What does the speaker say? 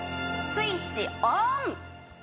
スイッチオン！